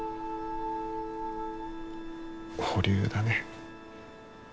保留だね。